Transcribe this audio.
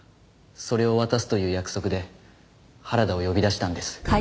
それを渡すという約束で原田を呼び出したんです。